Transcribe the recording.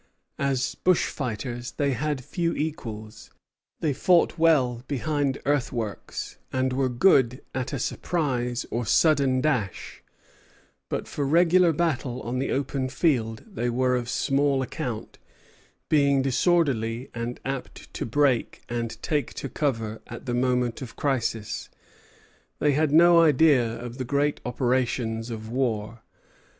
As bush fighters they had few equals; they fought well behind earthworks, and were good at a surprise or sudden dash; but for regular battle on the open field they were of small account, being disorderly, and apt to break and take to cover at the moment of crisis. They had no idea of the great operations of war.